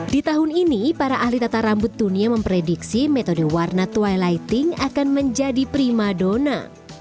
di tahun ini para ahli tata rambut dunia memprediksi metode warna twilighting akan menjadi prima dona